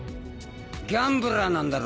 ギャンブラーなんだろ？